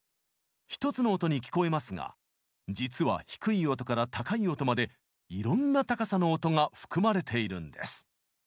１つの音に聞こえますが実は低い音から高い音までいろんな高さの音が含まれているんです。